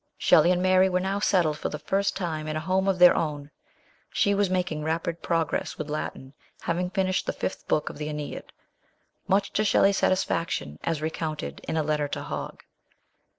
Shelley and Mary were now settled for the first time in a home of their own : she was making rapid progress with Latin, having finished the fifth book of the ^neid, much to Shelley's satisfaction, as recounted in a letter to Hogg.